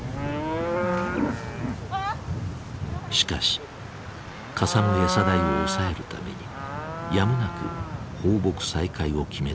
しかしかさむ餌代を抑えるためにやむなく放牧再開を決めたという。